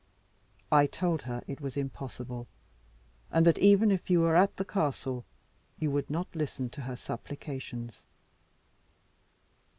I told her it was impossible; and that even if you were at the castle, you would not listen to her supplications."